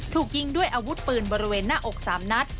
ถูกยิงด้วยอาวุธปืนบริเวณหน้าอก๓นัด